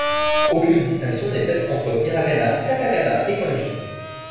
Aucune distinction n'est faite entre hiragana, katakana et kanji.